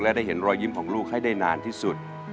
และได้เห็นรอยยิ้มของลูกให้ได้นานที่สุด